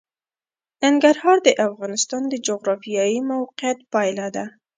ننګرهار د افغانستان د جغرافیایي موقیعت پایله ده.